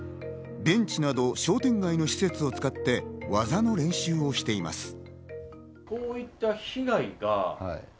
ベンチなど商店街の施設を使って技の練習をしています。